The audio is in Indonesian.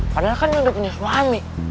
padahal kan dia udah punya suami